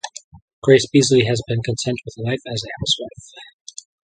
Grace Beasley has been content with life as a housewife.